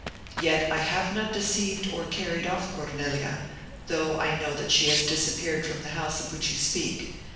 Yet I have not deceived or carried off Cornelia, although I know that she has disappeared from the house of which you speak.